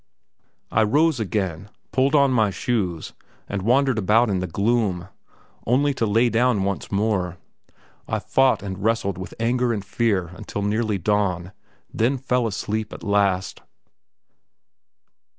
I rose again, pulled on my shoes, and wandered about in the gloom, only to lay down once more. I fought and wrestled with anger and fear until nearly dawn, then fell asleep at last.